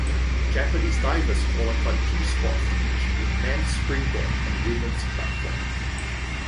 Japanese divers qualified two spots each in men's springboard and women's platform.